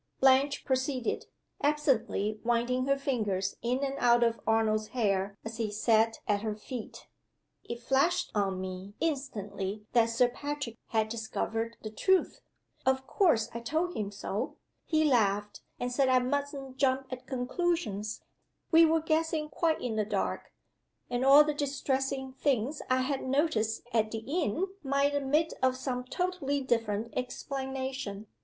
Blanche proceeded, absently winding her fingers in and out of Arnold's hair as he sat at her feet: "It flashed on me instantly that Sir Patrick had discovered the truth. Of course I told him so. He laughed, and said I mustn't jump at conclusions We were guessing quite in the dark; and all the distressing things I had noticed at the inn might admit of some totally different explanation.